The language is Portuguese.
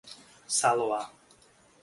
Saloá